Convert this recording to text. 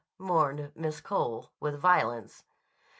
mourned Miss Cole with violence.